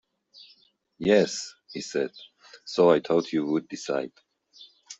"Yes," he said; "so I thought you would decide."